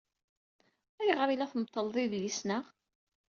Ayɣer ay la tmeḍḍleḍ idlisen-a?